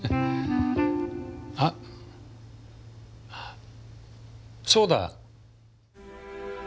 あっそうだ。